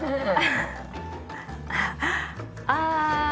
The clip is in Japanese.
ああ。